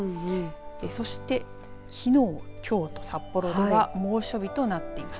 そしてきのう、きょうと札幌では猛暑日となっています。